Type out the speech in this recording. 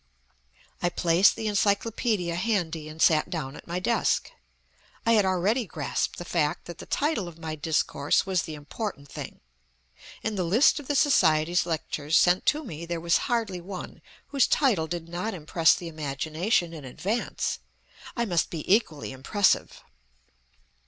I placed the encyclopaedia handy and sat down at my desk. I had already grasped the fact that the title of my discourse was the important thing. In the list of the Society's lectures sent to me there was hardly one whose title did not impress the imagination in advance. I must be equally impressive